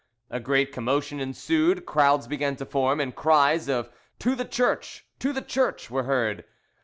A great commotion ensued, crowds began to form, and cries of "To the church! to the church!" were heard.